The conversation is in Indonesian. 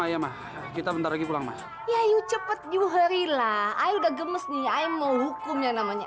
ayah mah kita bentar lagi pulang mah ya cepet di hurilah ayah gemes nih mau hukum yang namanya